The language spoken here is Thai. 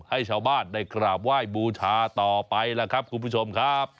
ให้ชาวบ้านได้กราบไหว้บูชาต่อไปล่ะครับคุณผู้ชมครับ